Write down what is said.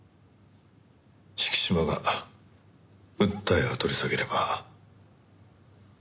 敷島が訴えを取り下げればあるいは。